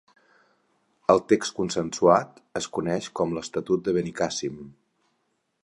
El text consensuat es coneix com l'Estatut de Benicàssim.